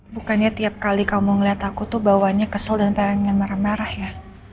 bukannya tiap kali kamu ngeliat aku tuh bawanya kesel dan pengen marah marah ya